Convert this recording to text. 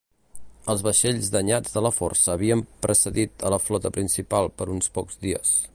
Els vaixells danyats de la força havien precedit a la flota principal per uns pocs dies.